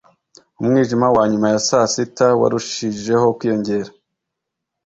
Umwijima wa nyuma ya saa sita warushijeho kwiyongera